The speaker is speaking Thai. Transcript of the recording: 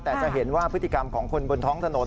แต่จะเห็นว่าพฤติกรรมของคนบนท้องถนน